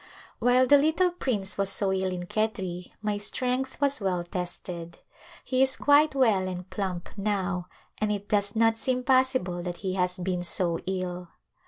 While the little prince was so ill in Khetri my strength was well tested. He is quite well and plump now and it does not seem possible that he has been so ill.